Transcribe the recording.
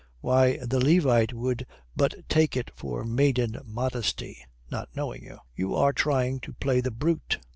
'" "Why, the Levite would but take it for maiden modesty. Not knowing you." "You are trying to play the brute.